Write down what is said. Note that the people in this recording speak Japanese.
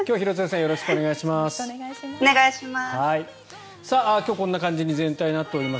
よろしくお願いします。